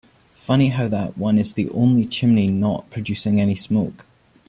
Funny how that one is the only chimney not producing any smoke.